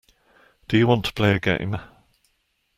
Do you want to play a game.